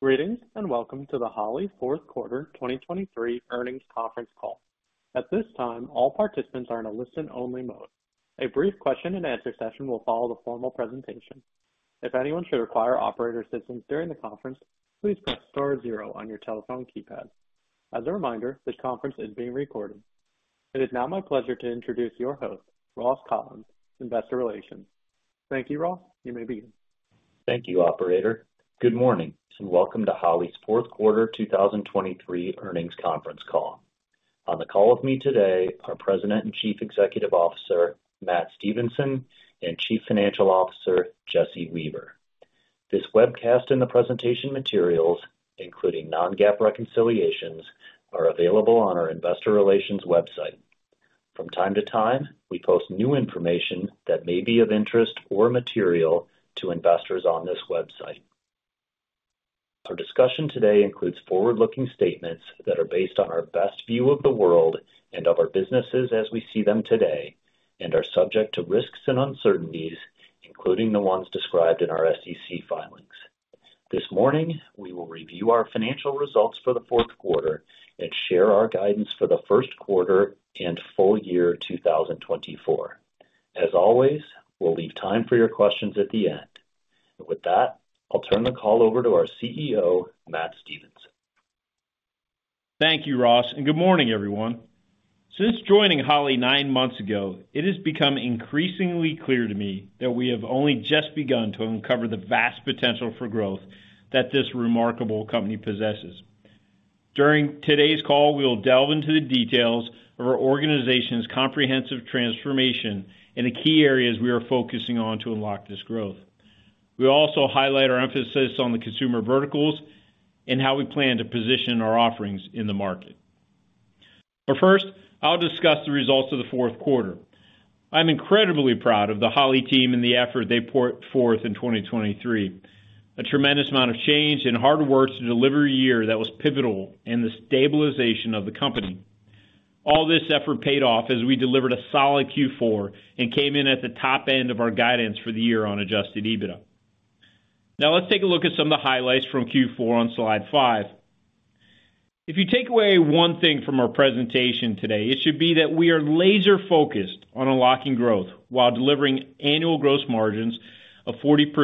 Greetings and welcome to the Holley Fourth Quarter 2023 Earnings Conference Call. At this time, all participants are in a listen-only mode. A brief question-and-answer session will follow the formal presentation. If anyone should require operator assistance during the conference, please press Star zero on your telephone keypad. As a reminder, this conference is being recorded. It is now my pleasure to introduce your host, Ross Collins, Investor Relations. Thank you, Ross. You may begin. Thank you, Operator. Good morning and welcome to Holley's Fourth Quarter 2023 Earnings Conference Call. On the call with me today are President and Chief Executive Officer Matt Stevenson and Chief Financial Officer Jesse Weaver. This webcast and the presentation materials, including non-GAAP reconciliations, are available on our Investor Relations website. From time to time, we post new information that may be of interest or material to investors on this website. Our discussion today includes forward-looking statements that are based on our best view of the world and of our businesses as we see them today, and are subject to risks and uncertainties, including the ones described in our SEC filings. This morning, we will review our financial results for the fourth quarter and share our guidance for the first quarter and full year 2024. As always, we'll leave time for your questions at the end. With that, I'll turn the call over to our CEO, Matt Stevenson. Thank you, Ross, and good morning, everyone. Since joining Holley nine months ago, it has become increasingly clear to me that we have only just begun to uncover the vast potential for growth that this remarkable company possesses. During today's call, we will delve into the details of our organization's comprehensive transformation and the key areas we are focusing on to unlock this growth. We will also highlight our emphasis on the consumer verticals and how we plan to position our offerings in the market. But first, I'll discuss the results of the fourth quarter. I'm incredibly proud of the Holley team and the effort they poured forth in 2023, a tremendous amount of change and hard work to deliver a year that was pivotal in the stabilization of the company. All this effort paid off as we delivered a solid Q4 and came in at the top end of our guidance for the year on Adjusted EBITDA. Now, let's take a look at some of the highlights from Q4 on slide five. If you take away one thing from our presentation today, it should be that we are laser-focused on unlocking growth while delivering annual gross margins of 40%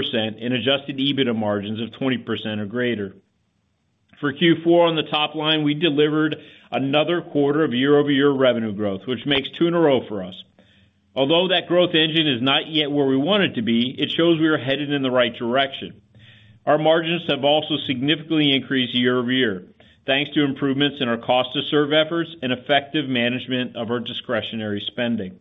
and Adjusted EBITDA margins of 20% or greater. For Q4, on the top line, we delivered another quarter of year-over-year revenue growth, which makes two in a row for us. Although that growth engine is not yet where we want it to be, it shows we are headed in the right direction. Our margins have also significantly increased year-over-year, thanks to improvements in our cost-to-serve efforts and effective management of our discretionary spending.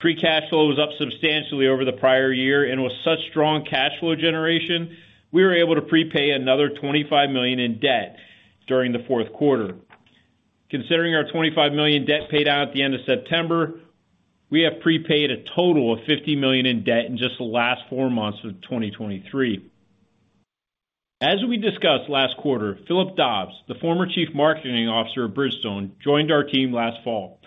Free cash flow was up substantially over the prior year, and with such strong cash flow generation, we were able to prepay another $25 million in debt during the fourth quarter. Considering our $25 million debt paid out at the end of September, we have prepaid a total of $50 million in debt in just the last four months of 2023. As we discussed last quarter, Philip Dobbs, the former Chief Marketing Officer at Bridgestone, joined our team last fall.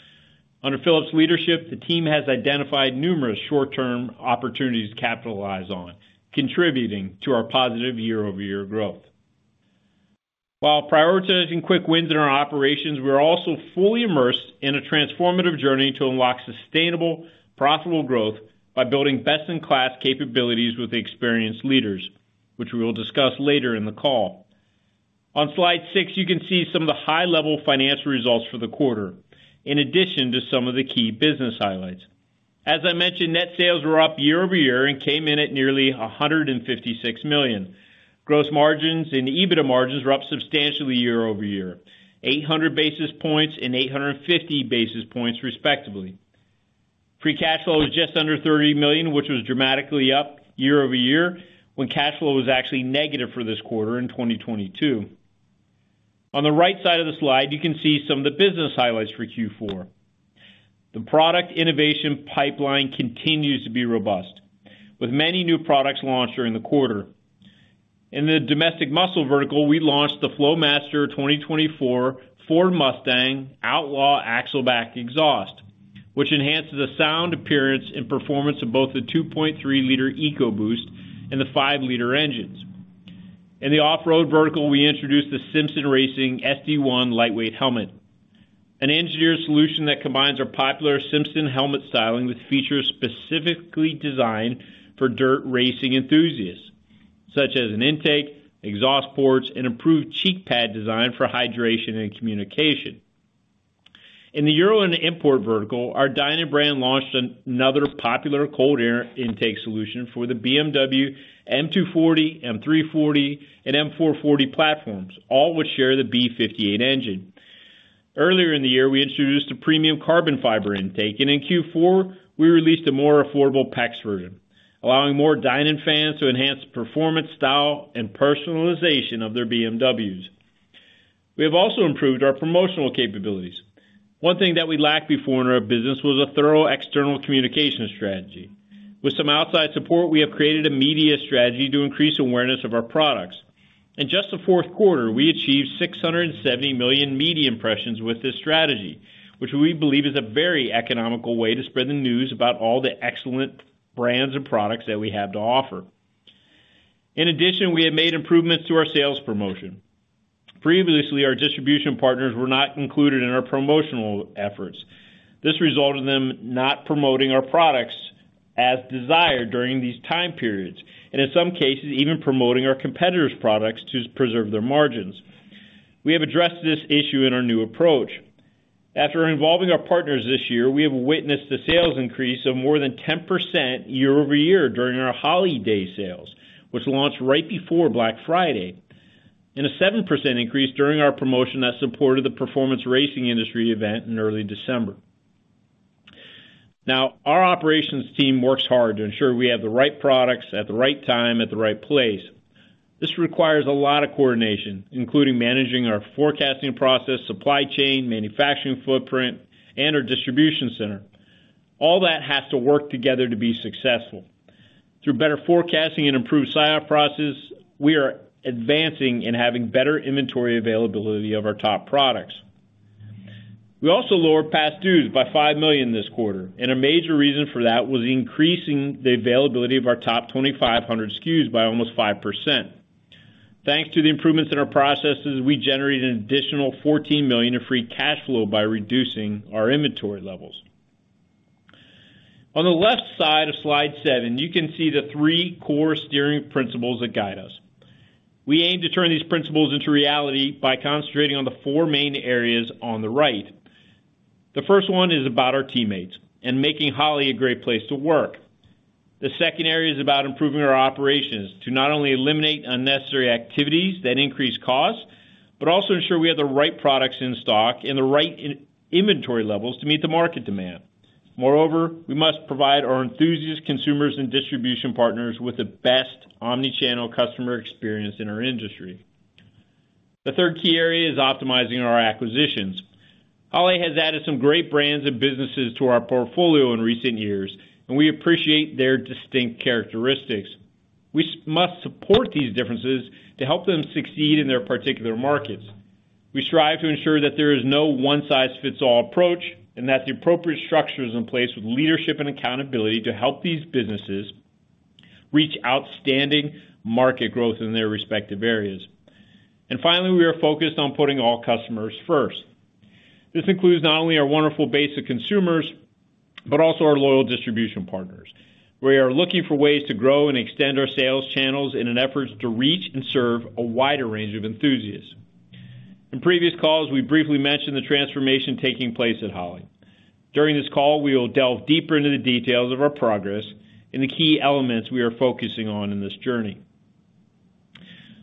Under Philip's leadership, the team has identified numerous short-term opportunities to capitalize on, contributing to our positive year-over-year growth. While prioritizing quick wins in our operations, we are also fully immersed in a transformative journey to unlock sustainable, profitable growth by building best-in-class capabilities with experienced leaders, which we will discuss later in the call. On slide six, you can see some of the high-level financial results for the quarter, in addition to some of the key business highlights. As I mentioned, net sales were up year-over-year and came in at nearly $156 million. Gross margins and EBITDA margins were up substantially year-over-year, 800 basis points and 850 basis points, respectively. Free cash flow was just under $30 million, which was dramatically up year-over-year when cash flow was actually negative for this quarter in 2022. On the right side of the slide, you can see some of the business highlights for Q4. The product innovation pipeline continues to be robust, with many new products launched during the quarter. In the domestic muscle vertical, we launched the Flowmaster 2024 Ford Mustang Outlaw Axle-back exhaust, which enhances the sound, appearance, and performance of both the 2.3-liter EcoBoost and the five-liter engines. In the off-road vertical, we introduced the Simpson Racing SD1 Lightweight Helmet, an engineered solution that combines our popular Simpson helmet styling with features specifically designed for dirt racing enthusiasts, such as an intake, exhaust ports, and improved cheek pad design for hydration and communication. In the Euro and Import Vertical, our Dinan brand launched another popular Cold Air Intake solution for the BMW M240, M340, and M440 platforms, all which share the B58 engine. Earlier in the year, we introduced a Premium Carbon Fiber Intake, and in Q4, we released a more affordable Pax version, allowing more Dinan fans to enhance performance, style, and personalization of their BMWs. We have also improved our promotional capabilities. One thing that we lacked before in our business was a thorough external communication strategy. With some outside support, we have created a media strategy to increase awareness of our products. In just the fourth quarter, we achieved 670 million media impressions with this strategy, which we believe is a very economical way to spread the news about all the excellent brands and products that we have to offer. In addition, we have made improvements to our sales promotion. Previously, our distribution partners were not included in our promotional efforts. This resulted in them not promoting our products as desired during these time periods and, in some cases, even promoting our competitors' products to preserve their margins. We have addressed this issue in our new approach. After involving our partners this year, we have witnessed a sales increase of more than 10% year-over-year during our Holley Day sales, which launched right before Black Friday, and a 7% increase during our promotion that supported the Performance Racing Industry event in early December. Now, our operations team works hard to ensure we have the right products at the right time at the right place. This requires a lot of coordination, including managing our forecasting process, supply chain, manufacturing footprint, and our distribution center. All that has to work together to be successful. Through better forecasting and improved sign-off processes, we are advancing in having better inventory availability of our top products. We also lowered past dues by $5 million this quarter, and a major reason for that was increasing the availability of our top 2,500 SKUs by almost 5%. Thanks to the improvements in our processes, we generated an additional $14 million of free cash flow by reducing our inventory levels. On the left side of slide seven, you can see the three core steering principles that guide us. We aim to turn these principles into reality by concentrating on the four main areas on the right. The first one is about our teammates and making Holley a great place to work. The second area is about improving our operations to not only eliminate unnecessary activities that increase costs but also ensure we have the right products in stock and the right inventory levels to meet the market demand. Moreover, we must provide our enthusiast consumers and distribution partners with the best omnichannel customer experience in our industry. The third key area is optimizing our acquisitions. Holley has added some great brands and businesses to our portfolio in recent years, and we appreciate their distinct characteristics. We must support these differences to help them succeed in their particular markets. We strive to ensure that there is no one-size-fits-all approach and that the appropriate structure is in place with leadership and accountability to help these businesses reach outstanding market growth in their respective areas. And finally, we are focused on putting all customers first. This includes not only our wonderful base of consumers but also our loyal distribution partners. We are looking for ways to grow and extend our sales channels in an effort to reach and serve a wider range of enthusiasts. In previous calls, we briefly mentioned the transformation taking place at Holley. During this call, we will delve deeper into the details of our progress and the key elements we are focusing on in this journey.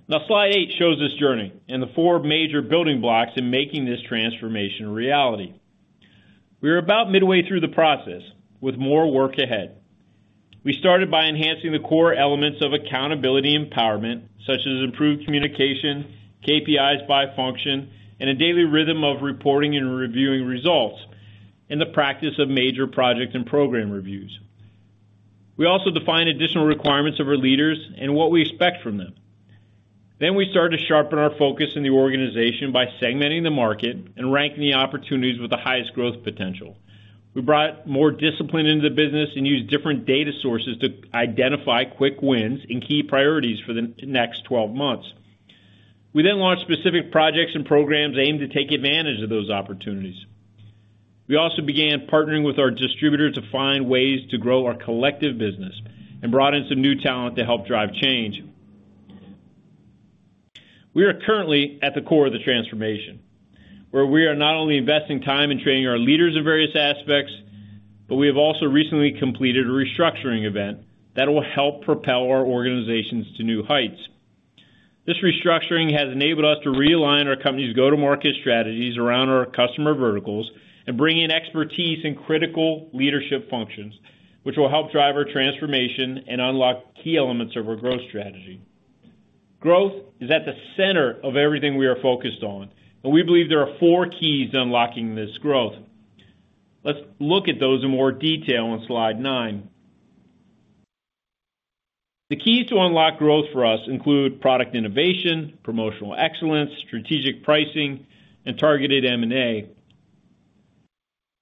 Now, slide eight shows this journey and the four major building blocks in making this transformation a reality. We are about midway through the process with more work ahead. We started by enhancing the core elements of accountability empowerment, such as improved communication, KPIs by function, and a daily rhythm of reporting and reviewing results, and the practice of major project and program reviews. We also defined additional requirements of our leaders and what we expect from them. Then we started to sharpen our focus in the organization by segmenting the market and ranking the opportunities with the highest growth potential. We brought more discipline into the business and used different data sources to identify quick wins and key priorities for the next 12 months. We then launched specific projects and programs aimed to take advantage of those opportunities. We also began partnering with our distributor to find ways to grow our collective business and brought in some new talent to help drive change. We are currently at the core of the transformation, where we are not only investing time in training our leaders in various aspects but we have also recently completed a restructuring event that will help propel our organizations to new heights. This restructuring has enabled us to realign our company's go-to-market strategies around our customer verticals and bring in expertise in critical leadership functions, which will help drive our transformation and unlock key elements of our growth strategy. Growth is at the center of everything we are focused on, and we believe there are four keys to unlocking this growth. Let's look at those in more detail on slide nine. The keys to unlock growth for us include product innovation, promotional excellence, strategic pricing, and targeted M&A.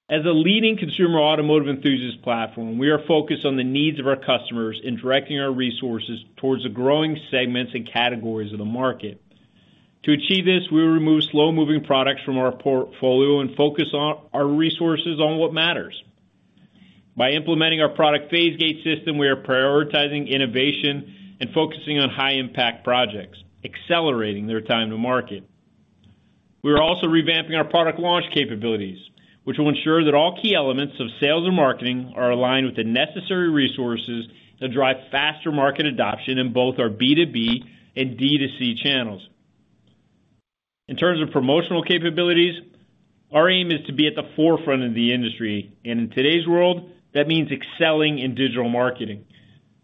As a leading consumer automotive enthusiast platform, we are focused on the needs of our customers and directing our resources towards the growing segments and categories of the market. To achieve this, we will remove slow-moving products from our portfolio and focus our resources on what matters. By implementing our product phase gate system, we are prioritizing innovation and focusing on high-impact projects, accelerating their time to market. We are also revamping our product launch capabilities, which will ensure that all key elements of sales and marketing are aligned with the necessary resources to drive faster market adoption in both our B2B and D2C channels. In terms of promotional capabilities, our aim is to be at the forefront of the industry, and in today's world, that means excelling in digital marketing.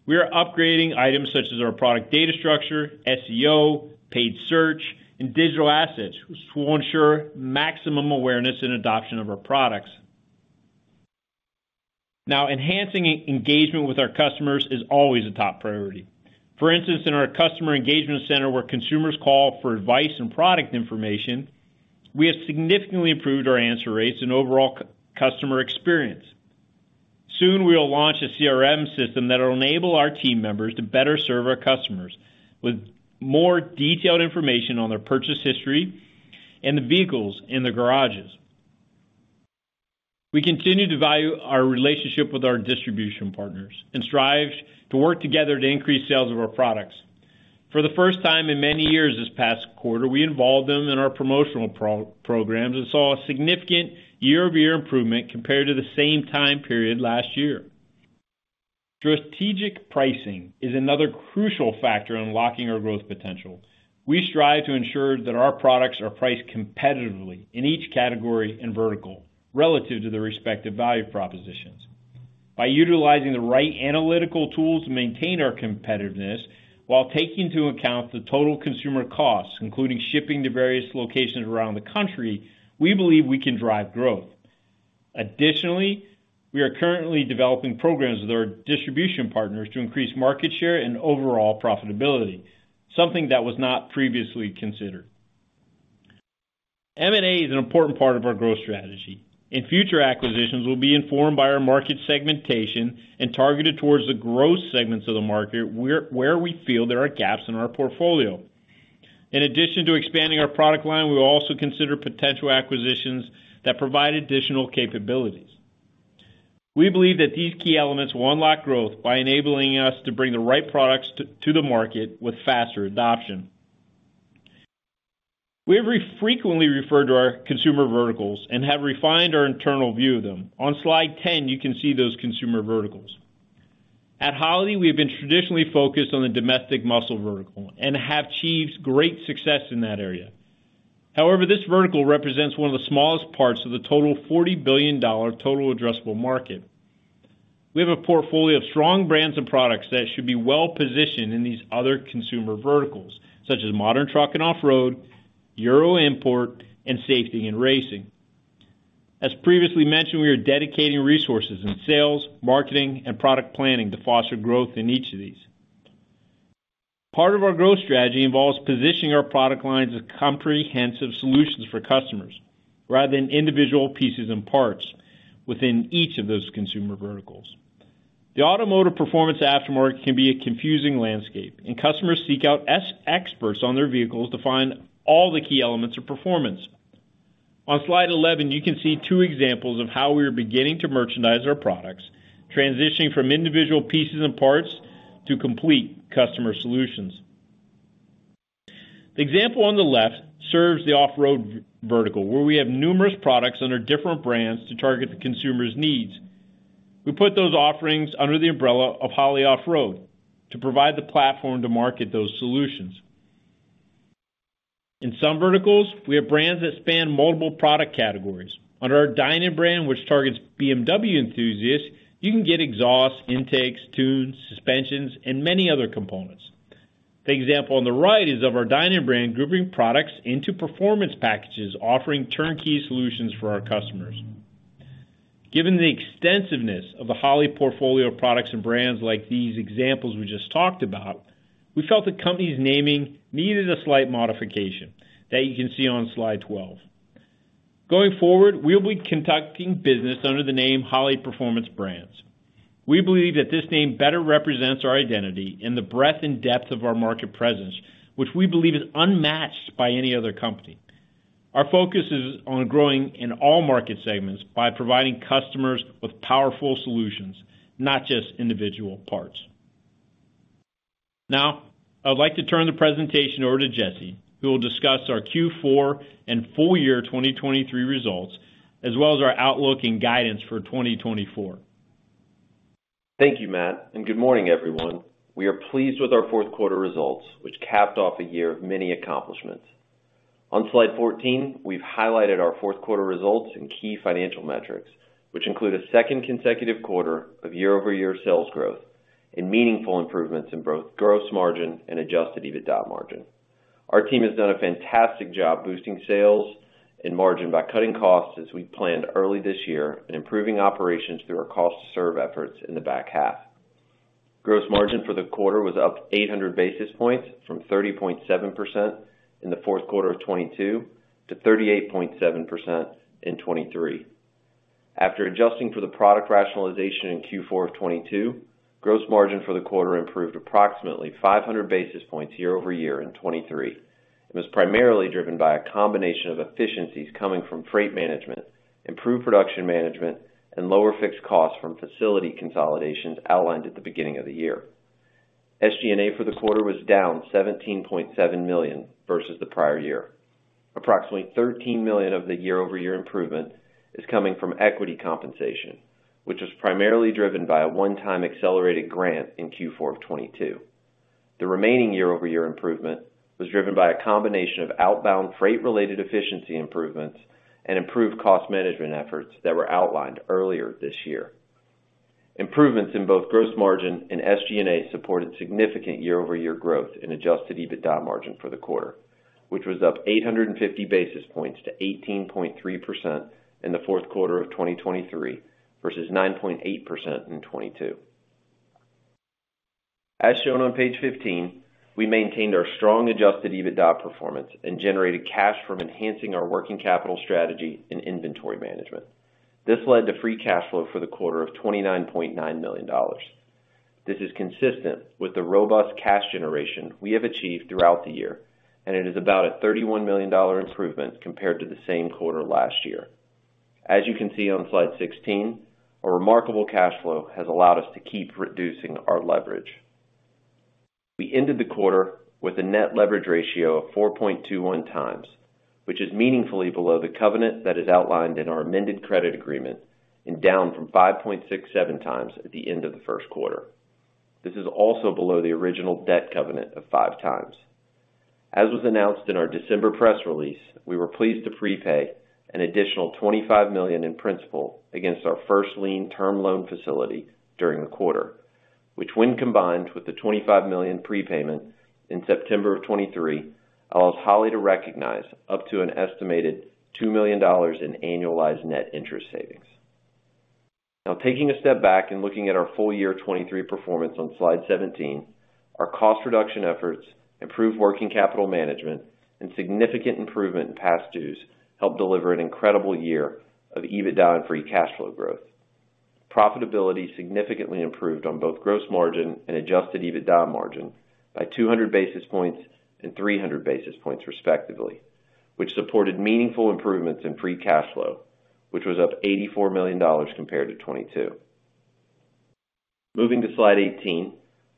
We are upgrading items such as our product data structure, SEO, paid search, and digital assets to ensure maximum awareness and adoption of our products. Now, enhancing engagement with our customers is always a top priority. For instance, in our customer engagement center where consumers call for advice and product information, we have significantly improved our answer rates and overall customer experience. Soon, we will launch a CRM system that will enable our team members to better serve our customers with more detailed information on their purchase history and the vehicles in the garages. We continue to value our relationship with our distribution partners and strive to work together to increase sales of our products. For the first time in many years this past quarter, we involved them in our promotional programs and saw a significant year-over-year improvement compared to the same time period last year. Strategic pricing is another crucial factor in unlocking our growth potential. We strive to ensure that our products are priced competitively in each category and vertical relative to their respective value propositions. By utilizing the right analytical tools to maintain our competitiveness while taking into account the total consumer costs, including shipping to various locations around the country, we believe we can drive growth. Additionally, we are currently developing programs with our distribution partners to increase market share and overall profitability, something that was not previously considered. M&A is an important part of our growth strategy. Future acquisitions will be informed by our market segmentation and targeted towards the growth segments of the market where we feel there are gaps in our portfolio. In addition to expanding our product line, we will also consider potential acquisitions that provide additional capabilities. We believe that these key elements will unlock growth by enabling us to bring the right products to the market with faster adoption. We have frequently referred to our consumer verticals and have refined our internal view of them. On slide 10, you can see those consumer verticals. At Holley, we have been traditionally focused on the domestic muscle vertical and have achieved great success in that area. However, this vertical represents one of the smallest parts of the total $40 billion total addressable market. We have a portfolio of strong brands and products that should be well-positioned in these other consumer verticals, such as modern truck and off-road, euro import, and safety in racing. As previously mentioned, we are dedicating resources in sales, marketing, and product planning to foster growth in each of these. Part of our growth strategy involves positioning our product lines as comprehensive solutions for customers rather than individual pieces and parts within each of those consumer verticals. The automotive performance aftermarket can be a confusing landscape, and customers seek out experts on their vehicles to find all the key elements of performance. On slide 11, you can see two examples of how we are beginning to merchandise our products, transitioning from individual pieces and parts to complete customer solutions. The example on the left serves the off-road vertical, where we have numerous products under different brands to target the consumer's needs. We put those offerings under the umbrella of Holley Off-Road to provide the platform to market those solutions. In some verticals, we have brands that span multiple product categories. Under our Dinan brand, which targets BMW enthusiasts, you can get exhaust, intakes, tunes, suspensions, and many other components. The example on the right is of our Dinan brand grouping products into performance packages offering turnkey solutions for our customers. Given the extensiveness of the Holley portfolio of products and brands like these examples we just talked about, we felt the company's naming needed a slight modification that you can see on slide 12. Going forward, we will be conducting business under the name Holley Performance Brands. We believe that this name better represents our identity and the breadth and depth of our market presence, which we believe is unmatched by any other company. Our focus is on growing in all market segments by providing customers with powerful solutions, not just individual parts. Now, I'd like to turn the presentation over to Jesse, who will discuss our Q4 and full year 2023 results as well as our outlook and guidance for 2024. Thank you, Matt, and good morning, everyone. We are pleased with our fourth quarter results, which capped off a year of many accomplishments. On slide 14, we've highlighted our fourth quarter results and key financial metrics, which include a second consecutive quarter of year-over-year sales growth and meaningful improvements in both gross margin and Adjusted EBITDA margin. Our team has done a fantastic job boosting sales and margin by cutting costs as we planned early this year and improving operations through our cost-to-serve efforts in the back half. Gross margin for the quarter was up 800 basis points from 30.7% in the fourth quarter of 2022 to 38.7% in 2023. After adjusting for the product rationalization in Q4 of 2022, gross margin for the quarter improved approximately 500 basis points year-over-year in 2023. It was primarily driven by a combination of efficiencies coming from freight management, improved production management, and lower fixed costs from facility consolidations outlined at the beginning of the year. SG&A for the quarter was down $17.7 million versus the prior year. Approximately $13 million of the year-over-year improvement is coming from equity compensation, which was primarily driven by a one-time accelerated grant in Q4 of 2022. The remaining year-over-year improvement was driven by a combination of outbound freight-related efficiency improvements and improved cost management efforts that were outlined earlier this year. Improvements in both gross margin and SG&A supported significant year-over-year growth in adjusted EBITDA margin for the quarter, which was up 850 basis points to 18.3% in the fourth quarter of 2023 versus 9.8% in 2022. As shown on page 15, we maintained our strong adjusted EBITDA performance and generated cash from enhancing our working capital strategy and inventory management. This led to free cash flow for the quarter of $29.9 million. This is consistent with the robust cash generation we have achieved throughout the year, and it is about a $31 million improvement compared to the same quarter last year. As you can see on slide 16, a remarkable cash flow has allowed us to keep reducing our leverage. We ended the quarter with a net leverage ratio of 4.21x, which is meaningfully below the covenant that is outlined in our amended credit agreement and down from 5.67x at the end of the first quarter. This is also below the original debt covenant of 5x. As was announced in our December press release, we were pleased to prepay an additional $25 million in principal against our first lien term loan facility during the quarter, which when combined with the $25 million prepayment in September 2023 allows Holley to recognize up to an estimated $2 million in annualized net interest savings. Now, taking a step back and looking at our full year 2023 performance on slide 17, our cost reduction efforts, improved working capital management, and significant improvement in past dues helped deliver an incredible year of EBITDA and free cash flow growth. Profitability significantly improved on both gross margin and adjusted EBITDA margin by 200 basis points and 300 basis points respectively, which supported meaningful improvements in free cash flow, which was up $84 million compared to 2022. Moving to slide 18,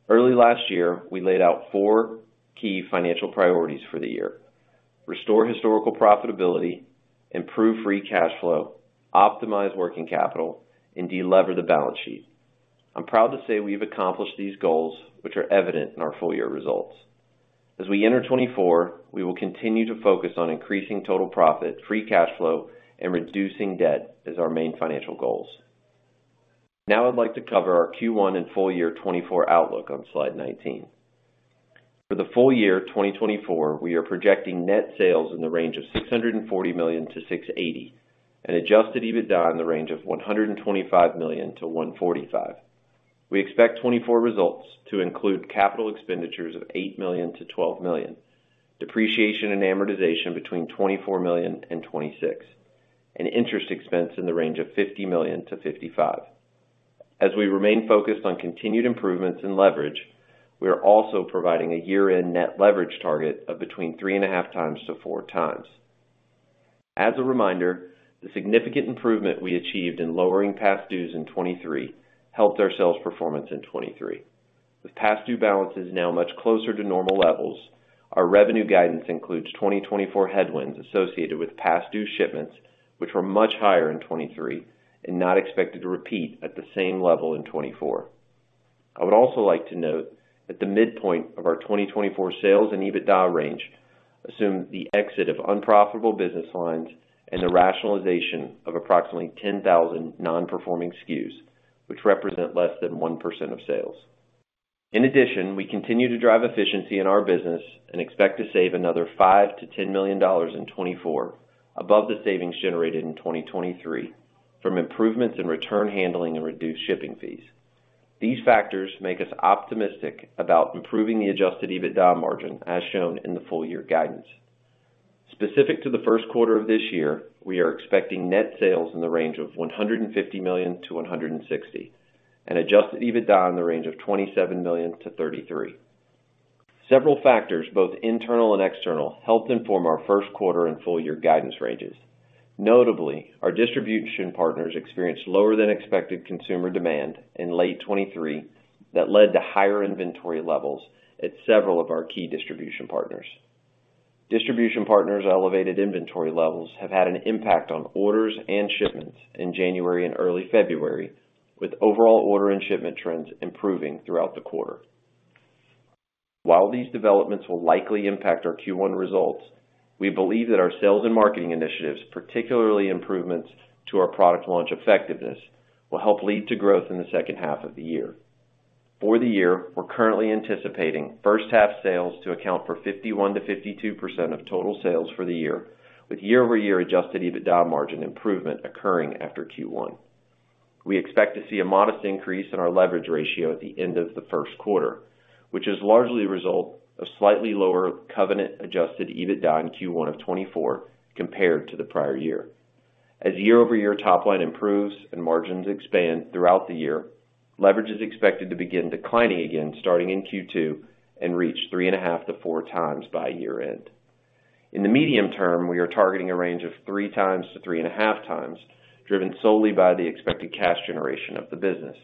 early last year, we laid out four key financial priorities for the year: restore historical profitability, improve free cash flow, optimize working capital, and delever the balance sheet. I'm proud to say we've accomplished these goals, which are evident in our full year results. As we enter 2024, we will continue to focus on increasing total profit, free cash flow, and reducing debt as our main financial goals. Now, I'd like to cover our Q1 and full year 2024 outlook on slide 19. For the full year 2024, we are projecting net sales in the range of $640 million-$680 million and Adjusted EBITDA in the range of $125 million-$145 million. We expect 2024 results to include capital expenditures of $8 million-$12 million, depreciation and amortization between $24 million-$26 million, and interest expense in the range of $50 million-$55 million. As we remain focused on continued improvements in leverage, we are also providing a year-end net leverage target of between 3.5x-4x. As a reminder, the significant improvement we achieved in lowering past dues in 2023 helped our sales performance in 2023. With past due balances now much closer to normal levels, our revenue guidance includes 2024 headwinds associated with past due shipments, which were much higher in 2023 and not expected to repeat at the same level in 2024. I would also like to note that the midpoint of our 2024 sales and Adjusted EBITDA range assumed the exit of unprofitable business lines and the rationalization of approximately 10,000 non-performing SKUs, which represent less than 1% of sales. In addition, we continue to drive efficiency in our business and expect to save another $5 million-$10 million in 2024 above the savings generated in 2023 from improvements in return handling and reduced shipping fees. These factors make us optimistic about improving the Adjusted EBITDA margin, as shown in the full year guidance. Specific to the first quarter of this year, we are expecting net sales in the range of $150 million-$160 million and Adjusted EBITDA in the range of $27 million-$33 million. Several factors, both internal and external, helped inform our first quarter and full year guidance ranges. Notably, our distribution partners experienced lower than expected consumer demand in late 2023 that led to higher inventory levels at several of our key distribution partners. Distribution partners' elevated inventory levels have had an impact on orders and shipments in January and early February, with overall order and shipment trends improving throughout the quarter. While these developments will likely impact our Q1 results, we believe that our sales and marketing initiatives, particularly improvements to our product launch effectiveness, will help lead to growth in the second half of the year. For the year, we're currently anticipating first half sales to account for 51%-52% of total sales for the year, with year-over-year Adjusted EBITDA margin improvement occurring after Q1. We expect to see a modest increase in our leverage ratio at the end of the first quarter, which is largely a result of slightly lower covenant adjusted EBITDA in Q1 of 2024 compared to the prior year. As year-over-year top line improves and margins expand throughout the year, leverage is expected to begin declining again starting in Q2 and reach 3.5x-4x by year-end. In the medium term, we are targeting a range of 3x-3.5x, driven solely by the expected cash generation of the business.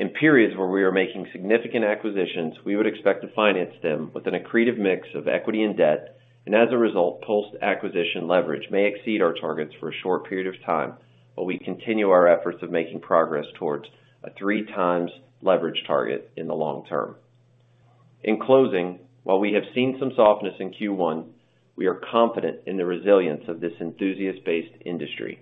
In periods where we are making significant acquisitions, we would expect to finance them with an accretive mix of equity and debt, and as a result, post-acquisition leverage may exceed our targets for a short period of time, but we continue our efforts of making progress towards a 3x leverage target in the long term. In closing, while we have seen some softness in Q1, we are confident in the resilience of this enthusiast-based industry.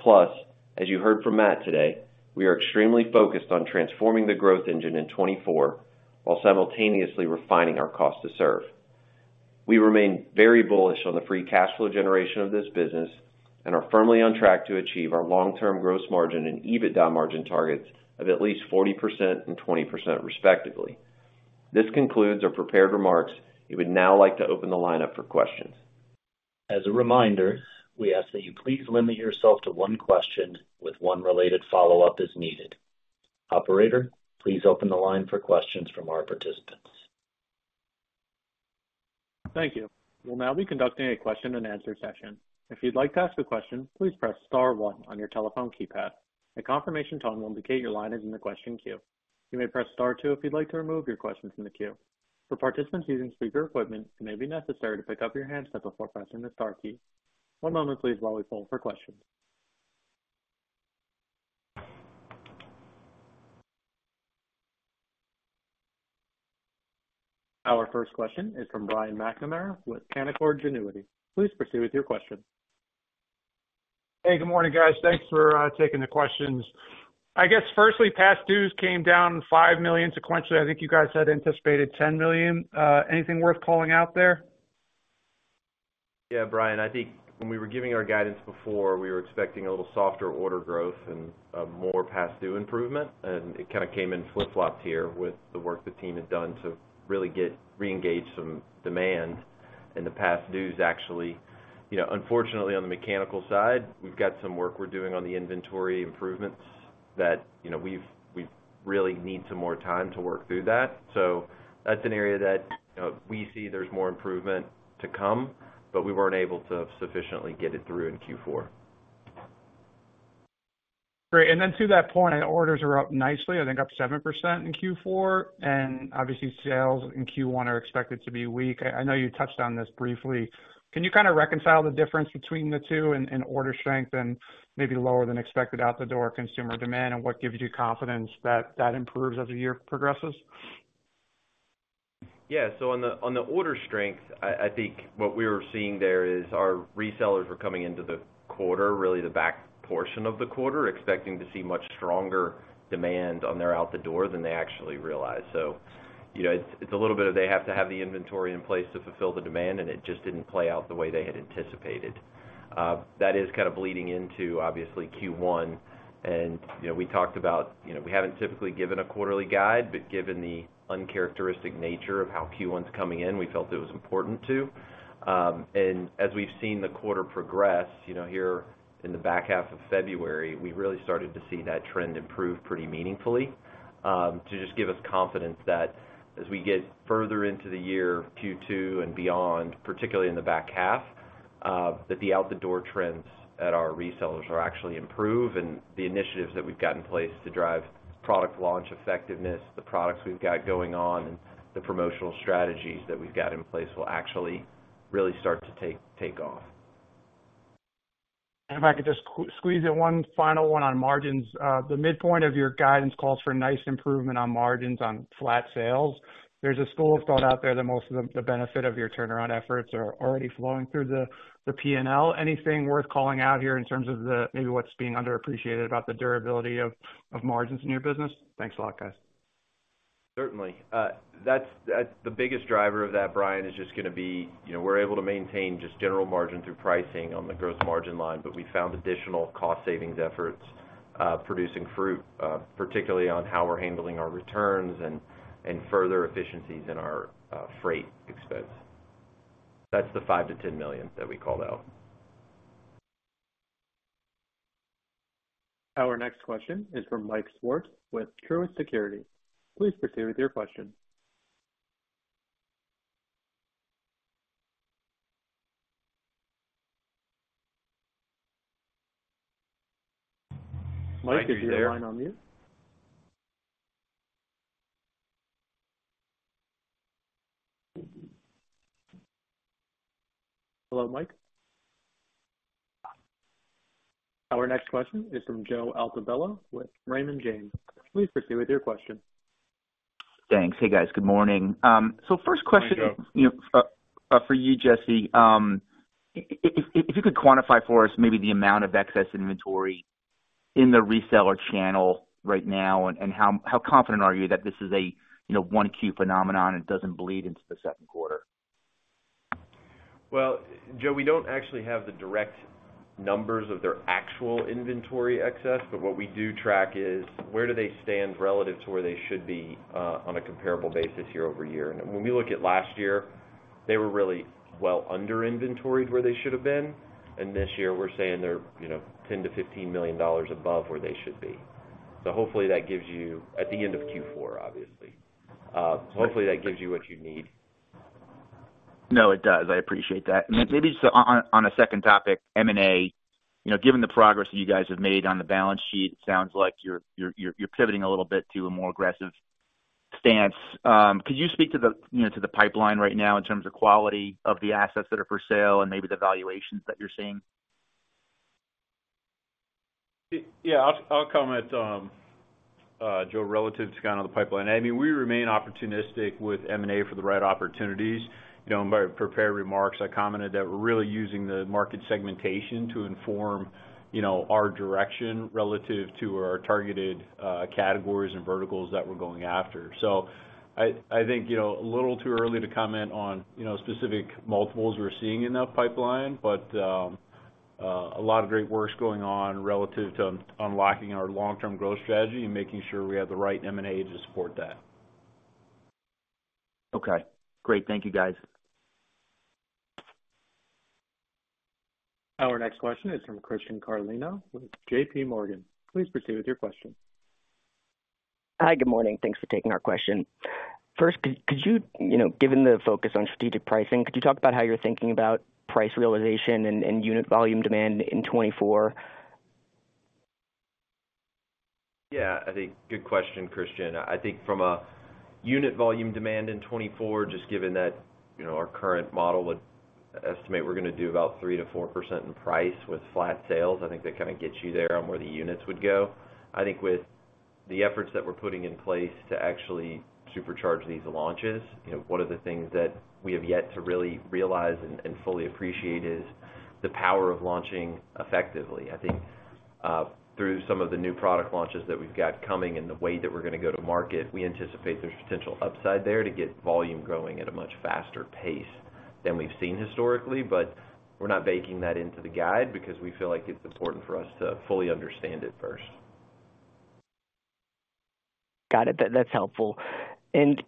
Plus, as you heard from Matt today, we are extremely focused on transforming the growth engine in 2024 while simultaneously refining our cost-to-serve. We remain very bullish on the free cash flow generation of this business and are firmly on track to achieve our long-term gross margin and EBITDA margin targets of at least 40% and 20% respectively. This concludes our prepared remarks. We would now like to open the line up for questions. As a reminder, we ask that you please limit yourself to one question with one related follow-up as needed. Operator, please open the line for questions from our participants. Thank you. We'll now be conducting a question and answer session. If you'd like to ask a question, please press star one on your telephone keypad. A confirmation tone will indicate your line is in the question queue. You may press star two if you'd like to remove your question from the queue. For participants using speaker equipment, it may be necessary to pick up your handset before pressing the star key. One moment, please, while we pull for questions. Our first question is from Brian McNamara with Canaccord Genuity. Please proceed with your question. Hey, good morning, guys. Thanks for taking the questions. I guess firstly, past dues came down $5 million sequentially. I think you guys had anticipated $10 million. Anything worth calling out there? Yeah, Brian. I think when we were giving our guidance before, we were expecting a little softer order growth and more past due improvement, and it kinda came in flip-flopped here with the work the team had done to really get re-engage some demand in the past dues actually. You know, unfortunately, on the mechanical side, we've got some work we're doing on the inventory improvements that, you know, we really need some more time to work through that. So that's an area that, you know, we see there's more improvement to come, but we weren't able to sufficiently get it through in Q4. Great. And then to that point, orders are up nicely. I think up 7% in Q4, and obviously, sales in Q1 are expected to be weak. I know you touched on this briefly. Can you kinda reconcile the difference between the two in order strength and maybe lower than expected out-the-door consumer demand, and what gives you confidence that that improves as the year progresses? Yeah. So on the order strength, I think what we were seeing there is our resellers were coming into the quarter, really the back portion of the quarter, expecting to see much stronger demand on their out-the-door than they actually realized. So, you know, it's a little bit of they have to have the inventory in place to fulfill the demand, and it just didn't play out the way they had anticipated. That is kinda bleeding into, obviously, Q1. And, you know, we talked about, you know, we haven't typically given a quarterly guide, but given the uncharacteristic nature of how Q1's coming in, we felt it was important to. As we've seen the quarter progress, you know, here in the back half of February, we really started to see that trend improve pretty meaningfully, to just give us confidence that as we get further into the year, Q2 and beyond, particularly in the back half, that the out-the-door trends at our resellers are actually improve, and the initiatives that we've got in place to drive product launch effectiveness, the products we've got going on, and the promotional strategies that we've got in place will actually really start to take off. If I could just squeeze in one final one on margins. The midpoint of your guidance calls for nice improvement on margins on flat sales. There's a school of thought out there that most of the, the benefit of your turnaround efforts are already flowing through the, the P&L. Anything worth calling out here in terms of the maybe what's being underappreciated about the durability of, of margins in your business? Thanks a lot, guys. Certainly. That's the biggest driver of that, Brian, is just gonna be, you know, we're able to maintain just general margin through pricing on the gross margin line, but we found additional cost-savings efforts, producing fruit, particularly on how we're handling our returns and further efficiencies in our freight expense. That's the $5 million-$10 million that we called out. Our next question is from Mike Swartz with Truist Securities. Please proceed with your question. Mike, is your line on mute? Hello, Mike? Our next question is from Joe Altobello with Raymond James. Please proceed with your question. Thanks. Hey, guys. Good morning. So first question, you know, for you, Jesse, if you could quantify for us maybe the amount of excess inventory in the reseller channel right now and how confident are you that this is a, you know, one-Q phenomenon and it doesn't bleed into the second quarter? Well, Joe, we don't actually have the direct numbers of their actual inventory excess, but what we do track is where do they stand relative to where they should be, on a comparable basis year-over-year. And when we look at last year, they were really well under-inventoried where they should have been, and this year, we're saying they're, you know, $10 million-$15 million above where they should be. So hopefully, that gives you at the end of Q4, obviously. So hopefully, that gives you what you need. No, it does. I appreciate that. Maybe just on a second topic, M&A, you know, given the progress that you guys have made on the balance sheet, it sounds like you're pivoting a little bit to a more aggressive stance. Could you speak to the, you know, to the pipeline right now in terms of quality of the assets that are for sale and maybe the valuations that you're seeing? Yeah. I'll, I'll comment, Joe, relative to kinda the pipeline. I mean, we remain opportunistic with M&A for the right opportunities. You know, in my prepared remarks, I commented that we're really using the market segmentation to inform, you know, our direction relative to our targeted categories and verticals that we're going after. So I, I think, you know, a little too early to comment on, you know, specific multiples we're seeing in that pipeline, but a lot of great work's going on relative to unlocking our long-term growth strategy and making sure we have the right M&A to support that. Okay. Great. Thank you, guys. Our next question is from Christian Carlino with JPMorgan. Please proceed with your question. Hi. Good morning. Thanks for taking our question. First, could you, you know, given the focus on strategic pricing, could you talk about how you're thinking about price realization and unit volume demand in 2024? Yeah. I think good question, Christian. I think from a unit volume demand in 2024, just given that, you know, our current model would estimate we're gonna do about 3%-4% in price with flat sales, I think that kinda gets you there on where the units would go. I think with the efforts that we're putting in place to actually supercharge these launches, you know, one of the things that we have yet to really realize and fully appreciate is the power of launching effectively. I think, through some of the new product launches that we've got coming and the way that we're gonna go to market, we anticipate there's potential upside there to get volume growing at a much faster pace than we've seen historically, but we're not baking that into the guide because we feel like it's important for us to fully understand it first. Got it. That's helpful. And,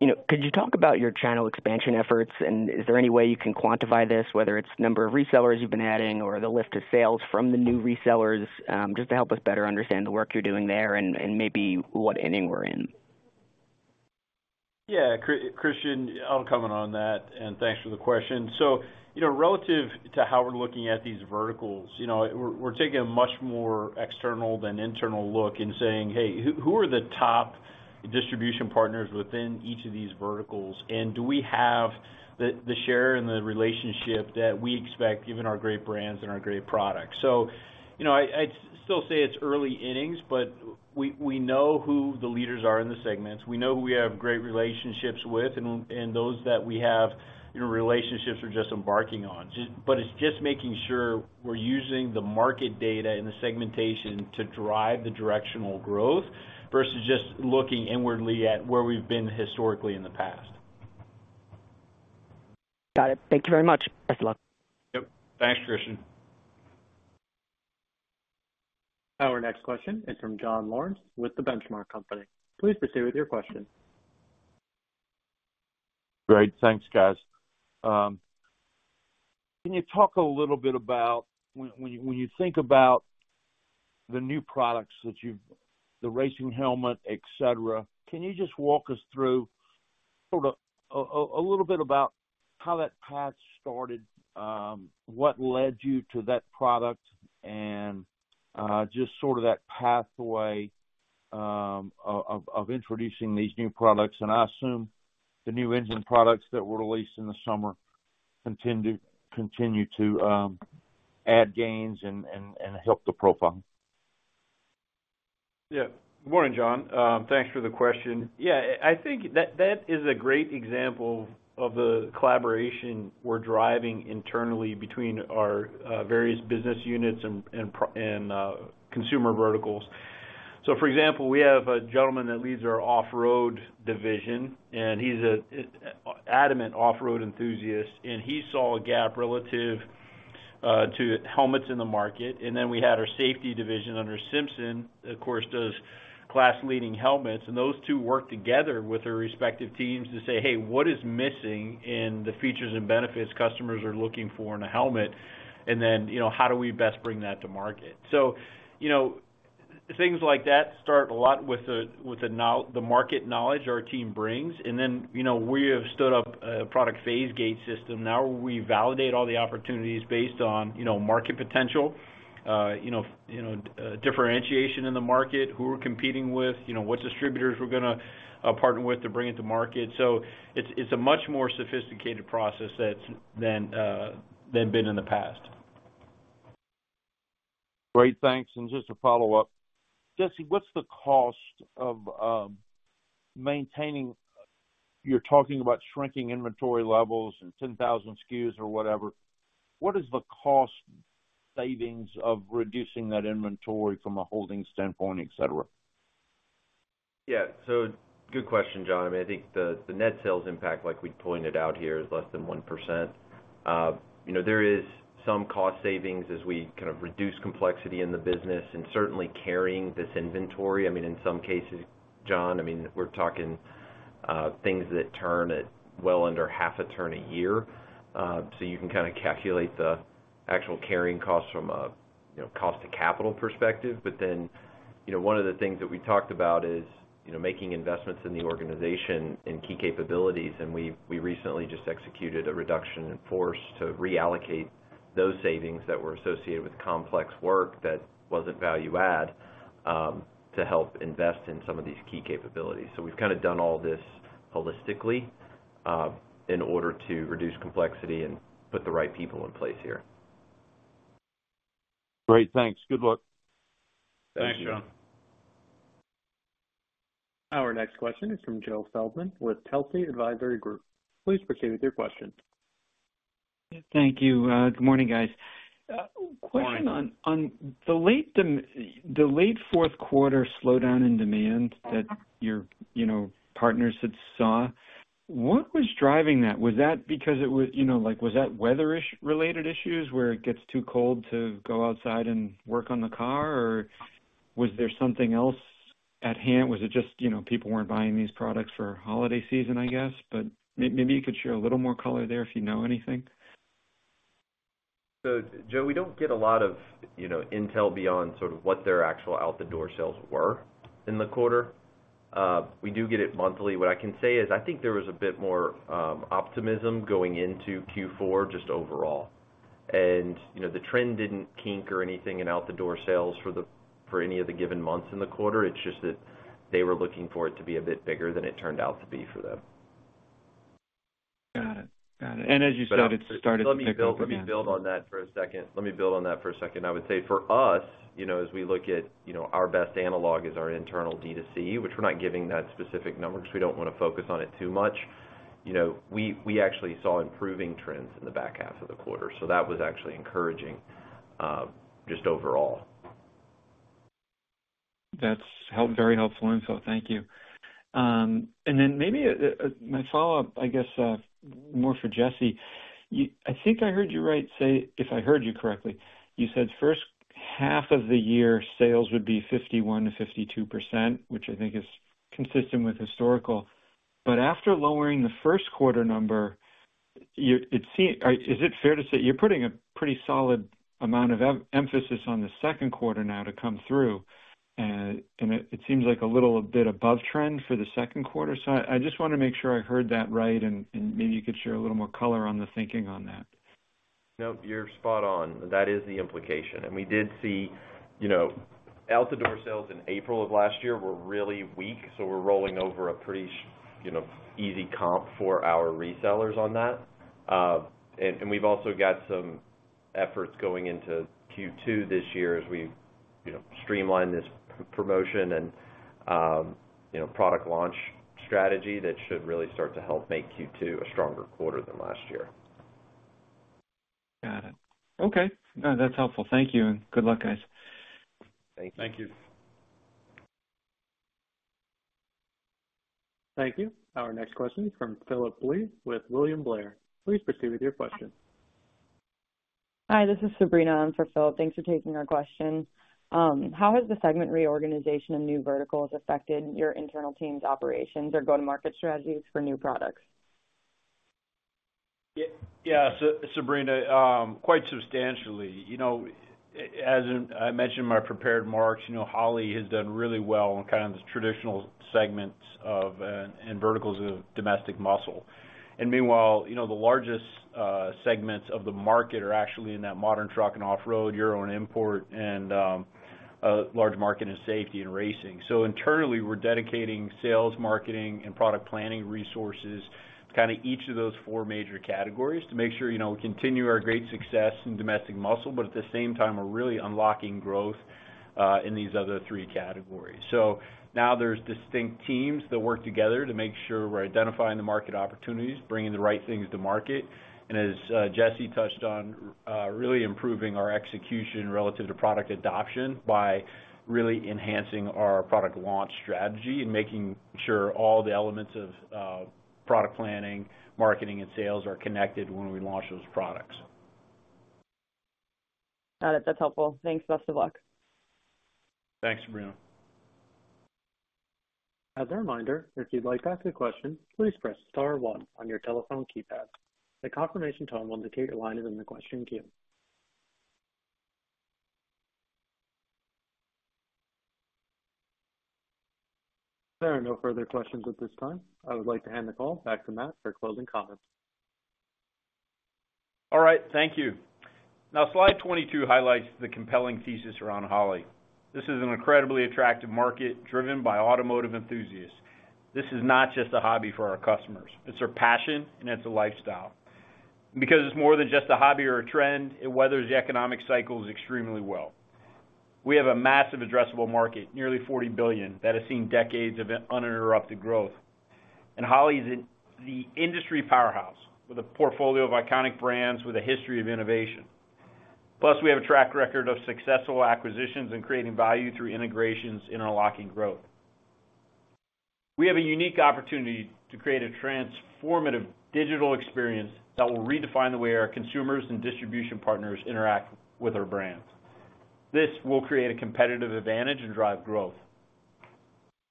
you know, could you talk about your channel expansion efforts, and is there any way you can quantify this, whether it's number of resellers you've been adding or the lift of sales from the new resellers, just to help us better understand the work you're doing there and, and maybe what ending we're in? Yeah. Christian, I'll comment on that, and thanks for the question. So, you know, relative to how we're looking at these verticals, you know, we're taking a much more external than internal look and saying, "Hey, who are the top distribution partners within each of these verticals, and do we have the share and the relationship that we expect given our great brands and our great products?" So, you know, I still say it's early innings, but we know who the leaders are in the segments. We know who we have great relationships with, and those that we have, you know, relationships are just embarking on. But it's just making sure we're using the market data and the segmentation to drive the directional growth versus just looking inwardly at where we've been historically in the past. Got it. Thank you very much. Best of luck. Yep. Thanks, Christian. Our next question is from John Lawrence with The Benchmark Company. Please proceed with your question. Great. Thanks, guys. Can you talk a little bit about when you think about the new products that you've the racing helmet, etc., can you just walk us through sort of a little bit about how that path started, what led you to that product, and just sort of that pathway of introducing these new products? And I assume the new engine products that were released in the summer continue to add gains and help the profile. Yeah. Good morning, John. Thanks for the question. Yeah. I think that is a great example of the collaboration we're driving internally between our various business units and pro and consumer verticals. So, for example, we have a gentleman that leads our off-road division, and he's an adamant off-road enthusiast, and he saw a gap relative to helmets in the market. And then we had our safety division under Simpson, of course, does class-leading helmets, and those two work together with their respective teams to say, "Hey, what is missing in the features and benefits customers are looking for in a helmet, and then, you know, how do we best bring that to market?" So, you know, things like that start a lot with the market knowledge our team brings. And then, you know, we have stood up a product phase gate system. Now, we validate all the opportunities based on, you know, market potential, you know, differentiation in the market, who we're competing with, you know, what distributors we're gonna partner with to bring it to market. So it's a much more sophisticated process that's than been in the past. Great. Thanks. And just a follow-up. Jesse, what's the cost of maintaining you're talking about shrinking inventory levels and 10,000 SKUs or whatever. What is the cost savings of reducing that inventory from a holding standpoint, etc.? Yeah. So good question, John. I mean, I think the net sales impact, like we'd pointed out here, is less than 1%. You know, there is some cost savings as we kind of reduce complexity in the business and certainly carrying this inventory. I mean, in some cases, John, I mean, we're talking, things that turn at well under half a turn a year. So you can kinda calculate the actual carrying cost from a, you know, cost to capital perspective. But then, you know, one of the things that we talked about is, you know, making investments in the organization in key capabilities, and we recently just executed a reduction in force to reallocate those savings that were associated with complex work that wasn't value add, to help invest in some of these key capabilities. We've kinda done all this holistically, in order to reduce complexity and put the right people in place here. Great. Thanks. Good luck. Thank you. Thanks, John. Our next question is from Joe Feldman with Telsey Advisory Group. Please proceed with your question. Yeah. Thank you. Good morning, guys. Question on the late end of the late fourth quarter slowdown in demand that your, you know, partners had saw, what was driving that? Was that because it was, you know, like, was that weather-ish related issues where it gets too cold to go outside and work on the car, or was there something else at hand? Was it just, you know, people weren't buying these products for holiday season, I guess? But maybe you could share a little more color there if you know anything. So, Joe, we don't get a lot of, you know, intel beyond sort of what their actual out-the-door sales were in the quarter. We do get it monthly. What I can say is I think there was a bit more optimism going into Q4 just overall. And, you know, the trend didn't kink or anything in out-the-door sales for any of the given months in the quarter. It's just that they were looking for it to be a bit bigger than it turned out to be for them. Got it. Got it. As you said, it started to pick up again. Let me build let me build on that for a second. Let me build on that for a second. I would say for us, you know, as we look at, you know, our best analog is our internal D2C, which we're not giving that specific number 'cause we don't wanna focus on it too much, you know, we, we actually saw improving trends in the back half of the quarter. So that was actually encouraging, just overall. That's very helpful info. Thank you. And then maybe my follow-up, I guess, more for Jesse. You, I think I heard you right, say if I heard you correctly, you said first half of the year, sales would be 51%-52%, which I think is consistent with historical. But after lowering the first quarter number, it seems or is it fair to say you're putting a pretty solid amount of emphasis on the second quarter now to come through, and it seems like a little bit above trend for the second quarter? So I just wanna make sure I heard that right and maybe you could share a little more color on the thinking on that. Nope. You're spot on. That is the implication. And we did see, you know, out-the-door sales in April of last year were really weak, so we're rolling over a pretty you know, easy comp for our resellers on that. And we've also got some efforts going into Q2 this year as we, you know, streamline this promotion and, you know, product launch strategy that should really start to help make Q2 a stronger quarter than last year. Got it. Okay. No, that's helpful. Thank you, and good luck, guys. Thank you. Thank you. Thank you. Our next question is from Phillip Blee with William Blair. Please proceed with your question. Hi. This is Sabrina. I'm for Philip. Thanks for taking our question. How has the segment reorganization of new verticals affected your internal team's operations or go-to-market strategies for new products? Yeah. Yeah. Sabrina, quite substantially. You know, as I mentioned in my prepared remarks, you know, Holley has done really well on kinda the traditional segments and verticals of domestic muscle. And meanwhile, you know, the largest segments of the market are actually in that modern truck and off-road, euro and import, and a large market in safety in racing. So internally, we're dedicating sales, marketing, and product planning resources to kinda each of those four major categories to make sure, you know, we continue our great success in domestic muscle, but at the same time, we're really unlocking growth in these other three categories. So now there's distinct teams that work together to make sure we're identifying the market opportunities, bringing the right things to market, and as Jesse touched on, really improving our execution relative to product adoption by really enhancing our product launch strategy and making sure all the elements of product planning, marketing, and sales are connected when we launch those products. Got it. That's helpful. Thanks. Best of luck. Thanks, Sabrina. As a reminder, if you'd like to ask a question, please press star one on your telephone keypad. The confirmation tone will indicate your line is in the question queue. There are no further questions at this time. I would like to hand the call back to Matt for closing comments. All right. Thank you. Now, slide 22 highlights the compelling thesis around Holley. This is an incredibly attractive market driven by automotive enthusiasts. This is not just a hobby for our customers. It's their passion, and it's a lifestyle. And because it's more than just a hobby or a trend, it weathers the economic cycles extremely well. We have a massive addressable market, nearly $40 billion, that has seen decades of uninterrupted growth. And Holley is an industry powerhouse with a portfolio of iconic brands with a history of innovation. Plus, we have a track record of successful acquisitions and creating value through integrations, unlocking growth. We have a unique opportunity to create a transformative digital experience that will redefine the way our consumers and distribution partners interact with our brands. This will create a competitive advantage and drive growth.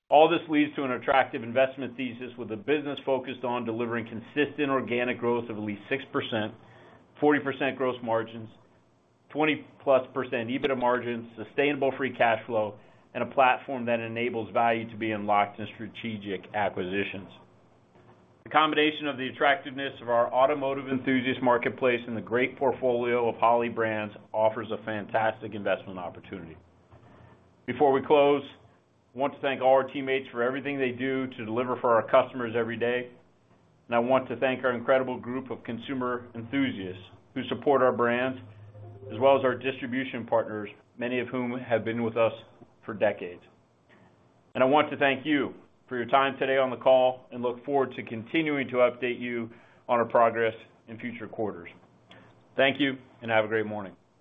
All this leads to an attractive investment thesis with a business focused on delivering consistent organic growth of at least 6%, 40% gross margins, 20%+ EBITDA margins, sustainable free cash flow, and a platform that enables value to be unlocked in strategic acquisitions. The combination of the attractiveness of our automotive enthusiast marketplace and the great portfolio of Holley brands offers a fantastic investment opportunity. Before we close, I want to thank all our teammates for everything they do to deliver for our customers every day. I want to thank our incredible group of consumer enthusiasts who support our brands as well as our distribution partners, many of whom have been with us for decades. I want to thank you for your time today on the call and look forward to continuing to update you on our progress in future quarters. Thank you, and have a great morning.